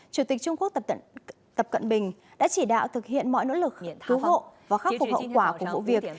chủ tịch trung quốc tập cận bình đã chỉ đạo thực hiện mọi nỗ lực cứu hộ và khắc phục hậu quả của vụ việc